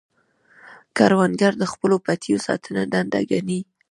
کروندګر د خپلو پټیو ساتنه دنده ګڼي